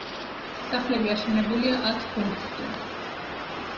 სახლები აშენებულია ათ ბორცვზე.